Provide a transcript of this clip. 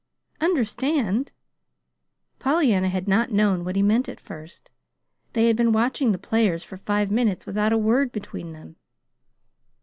"'Understand'?" Pollyanna had not known what he meant at first. They had been watching the players for five minutes without a word between them.